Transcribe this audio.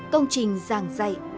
công trình giảng dạy